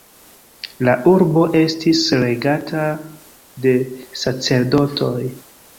La urbo estis regata de sacerdotoj.